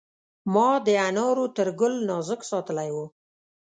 ما د انارو تر ګل نازک ساتلی و.